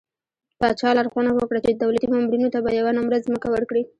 پاچا لارښوونه وکړه چې د دولتي مامورينو ته به يوه نمره ځمکه ورکړي .